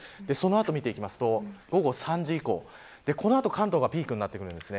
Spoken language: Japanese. その後を見てみると午後３時以降この後が関東がピークになってきます。